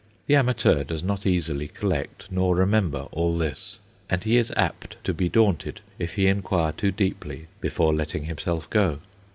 The amateur does not easily collect nor remember all this, and he is apt to be daunted if he inquire too deeply before "letting himself go."